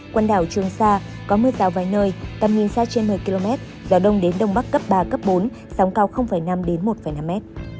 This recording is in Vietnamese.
quần đảo trường sa có mưa rào vài nơi tầm nhìn xa trên một mươi km gió đông đến đông bắc cấp ba cấp bốn sóng cao năm một năm m